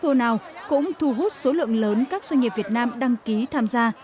các doanh nghiệp việt nam cũng thu hút số lượng lớn các doanh nghiệp việt nam đăng ký tham gia